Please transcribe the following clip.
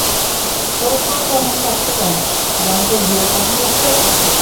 তোর হাত এমন কাঁপছে কেন, যেন তোর বিয়ের কথা হচ্ছে!